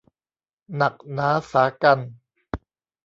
หนักหนาสากรรจ์